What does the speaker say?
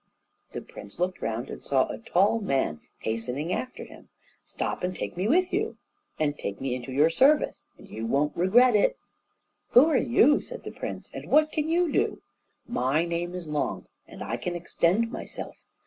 The prince looked round, and saw a tall man hastening after him. "Stop and take me with you, and take me into your service, and you won't regret it!" "Who are you," said the prince, "and what can you do?" "My name is Long, and I can extend myself.